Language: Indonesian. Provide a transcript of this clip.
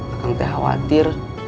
akang teh khawatir